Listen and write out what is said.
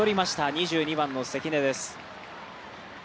２２番の関根です。